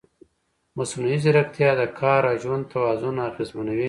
مصنوعي ځیرکتیا د کار او ژوند توازن اغېزمنوي.